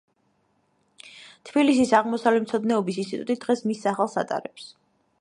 თბილისის აღმოსავლეთმცოდნეობის ინსტიტუტი დღეს მის სახელს ატარებს.